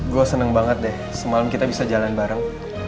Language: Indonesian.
gua seneng banget deh semalem kita bisa jalan bareng